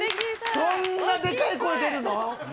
そんなでかい声出るの？